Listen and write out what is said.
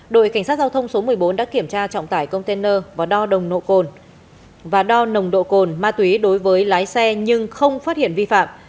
đội cảnh sát giao thông số một mươi bốn đã kiểm tra trọng tải container và đo nồng độ cồn ma túy đối với lái xe nhưng không phát hiện vi phạm